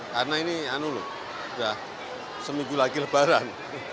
karena ini ya seminggu lagi lebaran